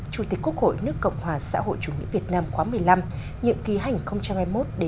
chủ tịch quốc hội nước cộng hòa xã hội chủ nghĩa việt nam khóa một mươi năm nhiệm ký hành hai mươi một đến hành hai mươi sáu